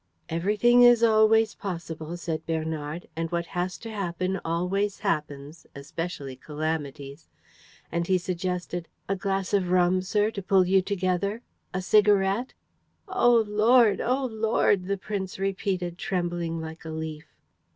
"Everything is always possible," said Bernard, "and what has to happen always happens, especially calamities." And he suggested, "A glass of rum, sir, to pull you together? A cigarette?" "Oh Lord, oh Lord!" the prince repeated, trembling like a leaf.